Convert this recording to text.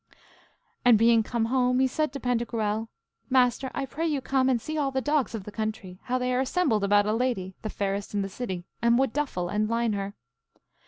And being come home, he said to Pantagruel, Master, I pray you come and see all the dogs of the country, how they are assembled about a lady, the fairest in the city, and would duffle and line her.